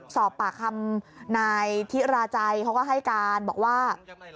สอบปากคำนายธิราจัยเขาก็ให้การบอกว่า